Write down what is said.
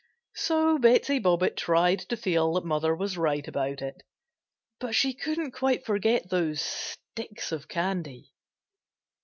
So Betsey Bobbitt tried to feel that mother was right about it, but she couldn't quite forget those "sticks of candy."